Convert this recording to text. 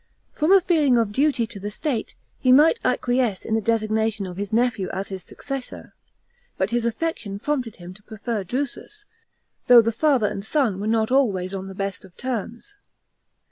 From a feeling of duty to the state, he might acquiesce in the designation of his nephew as his successor, but his affection prompted him to prefer Drusus, though the father and son were not always on the best terms.